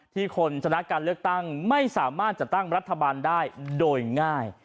คนชนะการเลือกตั้งไม่สามารถจัดตั้งรัฐบาลได้โดยง่าย